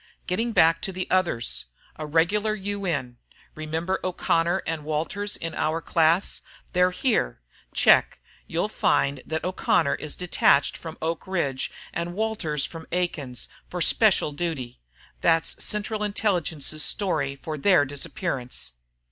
Getting back to the others here ... a regular U. N. Remember O'Connor and Walters in our class? They're here. Check, you'll find that O'Connor is "detached" from Oak Ridge and Walters from Aiken for "special duty." That's Central Intelligence's story for their disappearance.